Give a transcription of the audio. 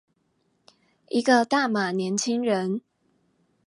一個大馬年輕人